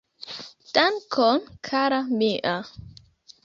Dankon kara mia